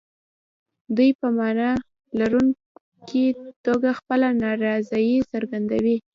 دوی په معنا لرونکي توګه خپله نارضايي څرګندوي.